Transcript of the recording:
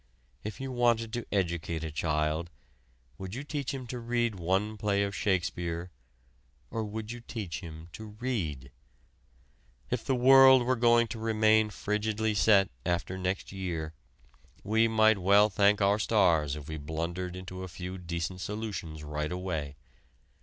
If you wanted to educate a child, would you teach him to read one play of Shakespeare, or would you teach him to read? If the world were going to remain frigidly set after next year, we might well thank our stars if we blundered into a few decent solutions right away.